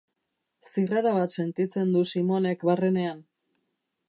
Zirrara bat sentitzen du Simonek barrenean.